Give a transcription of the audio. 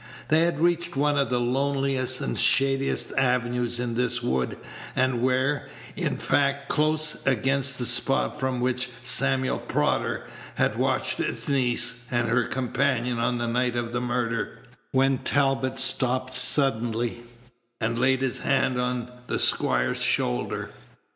They had reached one of the loneliest and shadiest avenues in this wood, and were, in fact, close against the spot from which Samuel Prodder had watched his niece and her companion on the night of the murder, when Talbot stopped suddenly, and laid his hand on the squire's shoulder.